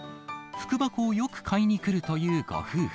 福箱をよく買いに来るというご夫婦。